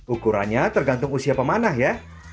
ukurannya tergantung usia pemanah ya